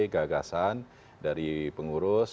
gagasan dari pengurus